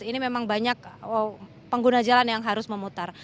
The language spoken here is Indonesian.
ini memang banyak pengguna jalan yang harus memutar